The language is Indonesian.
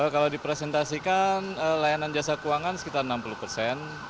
kalau dipresentasikan layanan jasa keuangan sekitar enam puluh persen